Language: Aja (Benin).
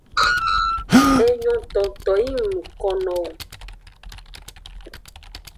Enyo tongto yi ng nuko nowo.